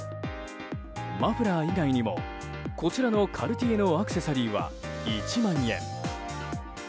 マフラー以外にもこちらのカルティエのアクセサリーは１万円。